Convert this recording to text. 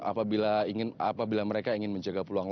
apabila mereka ingin menjaga peluang